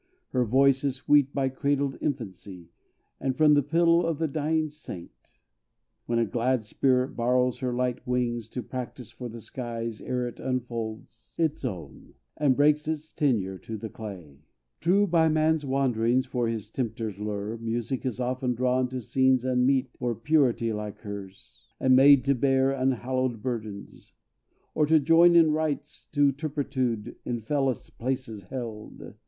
Her voice is sweet by cradled infancy, And from the pillow of the dying saint, When a glad spirit borrows her light wings To practise for the skies, ere it unfolds Its own, and breaks its tenure to the clay. True, by man's wanderings for his tempter's lure, Music is often drawn to scenes unmeet For purity like hers; and made to bear Unhallowed burdens; or, to join in rites To turpitude in fellest places held.